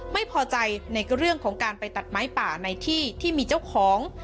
ไม่พอใจในเรื่องของการไปตัดไม้ป่าในที่ที่มีเจ้าของ